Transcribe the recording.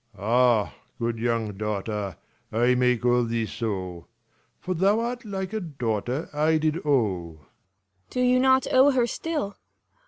1 2 5 Lelr. Ah, good young daughter, I may call thee so ; For thou art like a daughter I did owe. Cor. Do you not owe her still